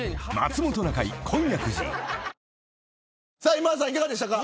今田さん、いかがでしたか。